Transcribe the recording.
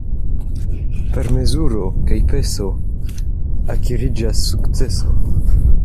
Per mezuro kaj peso akiriĝas sukceso.